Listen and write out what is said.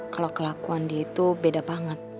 kalau kelakuan dia itu beda banget